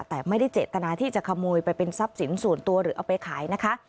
แต่ไม่ได้เจตนาที่จะขโมยไปเป็นทรัพย์สินส่วนตัวหรือเอาไปขายนะคะ